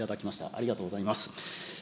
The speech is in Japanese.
ありがとうございます。